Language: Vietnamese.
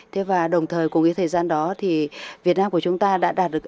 thế và đồng thời cùng cái thời gian đó thì việt nam của chúng ta đã đạt được